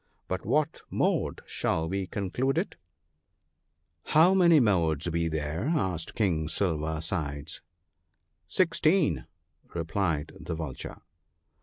By what mode shall we conclude it ?'* How many modes be there ?" asked King Silver sides. * Sixteen,' replied the Vulture.